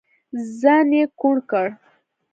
ځان يې کوڼ کړ.